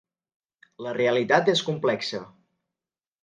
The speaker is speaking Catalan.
La realitat és complexa.